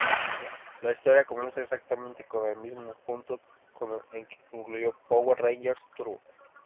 La historia comienza exactamente en el mismo punto en que concluyó "Power Rangers Turbo".